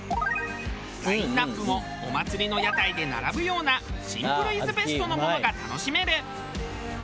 ラインアップもお祭りの屋台で並ぶようなシンプルイズベストのものが楽しめる。